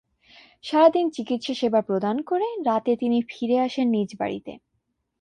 সারাদিন চিকিৎসা সেবা প্রদান করে রাতে তিনি ফিরে আসেন নিজ বাড়িতে।